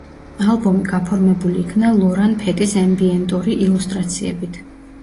ალბომი გაფორმებული იქნა ლორან ფეტის ემბიენტური ილუსტრაციებით.